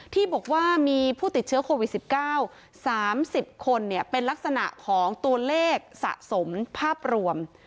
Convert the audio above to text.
ที่บอกว่ามีผู้ติดเชื้อโควิด๑๙๓๐คนเป็นลักษณะของตัวเลขสะสมภาพรวม